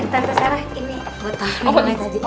tante sarah ini buat tante elsa